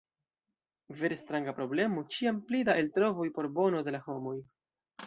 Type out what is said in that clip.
Vere stranga problemo: ĉiam pli da eltrovoj por bono de la homoj.